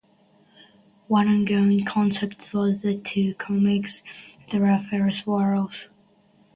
One ongoing concept was that the two comics were fierce rivals.